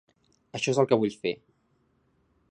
Això es el que vull fer.